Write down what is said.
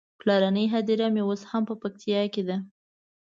پلرنۍ هديره مې اوس هم په پکتيکا کې ده.